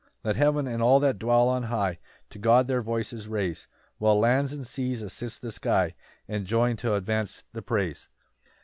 5 Let heaven, and all that dwell on high, To God their voices raise, While lands and seas assist the sky, And join t' advance the praise.